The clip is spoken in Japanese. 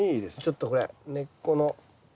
ちょっとこれ根っこの。